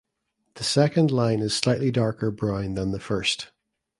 The second line is slightly darker brown than the first.